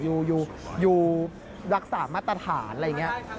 อยู่รักษามาตรฐานอะไรอย่างนี้